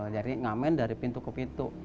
jadi ngamen dari pintu ke pintu